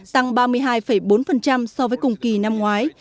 tăng ba mươi hai bốn so với cùng kỳ năm ngoái